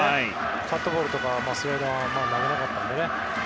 カットボールとかスライダーを投げなかったので。